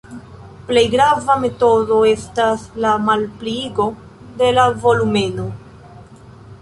Plej grava metodo estas la malpliigo de la volumeno.